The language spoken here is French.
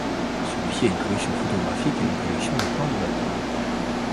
Celui-ci a une collection photographique et une collection de plans de bateau.